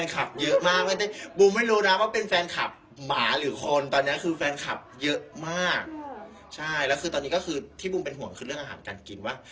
ใช่แล้วคือตอนนี้ก็คือที่บูมเป็นห่วงคือเรื่องอาหารการกินว่า